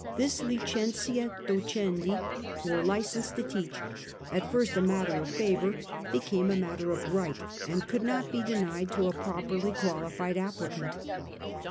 This licentia doceiidi, or licence to teach, at first a matter of favour, became a matter of right, and could not be denied to a properly qualified applicant.